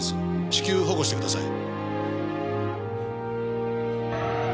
至急保護してください。